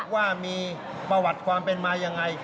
ว่ามีประวัติความเป็นมายังไง